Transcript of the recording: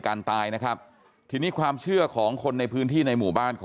กำลังโตกำลังเรียนรู้เลยค่ะ